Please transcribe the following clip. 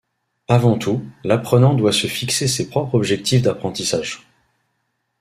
Avant tout, l'apprenant doit se fixer ses propres objectifs d'apprentissage.